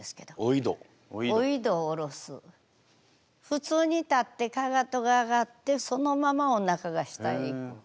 普通に立ってかかとが上がってそのままおなかが下に行く。